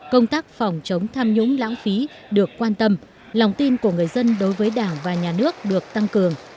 công tác phòng chống tham nhũng lãng phí được quan tâm lòng tin của người dân đối với đảng và nhà nước được tăng cường